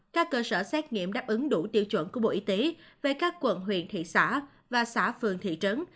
các cơ sở xét nghiệm đáp ứng đủ tiêu chuẩn của bộ y tế về các quận huyện thị xã và xã phường thị trấn